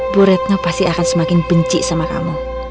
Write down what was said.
bu retno pasti akan semakin benci sama kamu